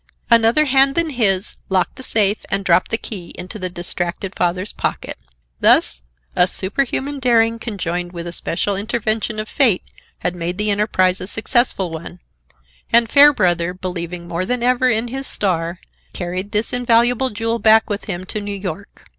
Another hand than his locked the safe and dropped the key into the distracted father's pocket. Thus a superhuman daring conjoined with a special intervention of fate had made the enterprise a successful one; and Fairbrother, believing more than ever in his star, carried this invaluable jewel back with him to New York.